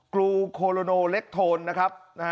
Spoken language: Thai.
กรูโคโลโนเล็กโทนนะครับ